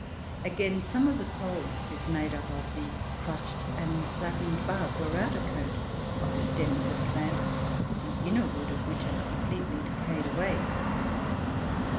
Again, some of the coal is made up of the crushed and flattened bark, or outer coat, of the stems of plants, the inner wood of which has completely decayed away.